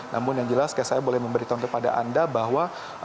namun yang jelas saya boleh memberitahu kepada anda bahwa